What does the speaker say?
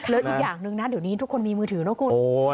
แล้วอีกอย่างหนึ่งนะเดี๋ยวนี้ทุกคนมีมือถือนะคุณ